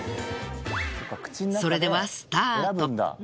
それではスタート。